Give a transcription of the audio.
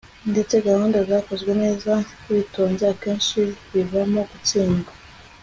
ndetse gahunda zakozwe neza witonze akenshi bivamo gutsindwa